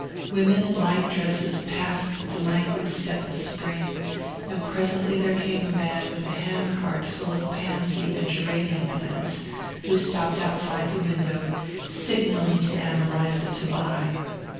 Women in light dresses passed with the languid step of spring; and presently there came a man with a hand cart full of pansy and geranium plants who stopped outside the window, signalling to Ann Eliza to buy.